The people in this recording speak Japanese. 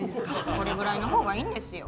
これぐらいのほうがいいんですよ。